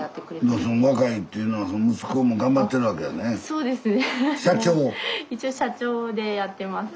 そうですね。